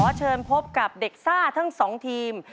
เชิญพบกับเด็กซ่าทั้งสองทีม